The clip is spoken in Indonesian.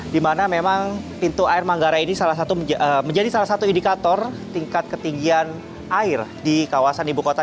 di mana memang pintu air manggarai ini menjadi salah satu indikator tingkat ketinggian air di kawasan ibu kota